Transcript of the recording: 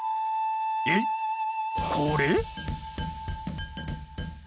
えっこれ？